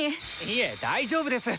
いえ大丈夫です！